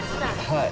はい。